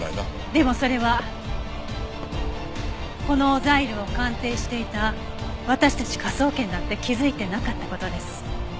でもそれはこのザイルを鑑定していた私たち科捜研だって気づいてなかった事です。